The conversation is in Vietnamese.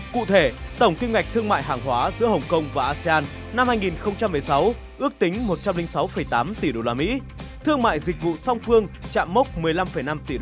cụ thể tổng kim ngạch thương mại hàng hóa giữa hồng kông và asean năm hai nghìn một mươi sáu ước tính một trăm linh sáu tám tỷ usd thương mại dịch vụ song phương chạm mốc một mươi năm năm tỷ usd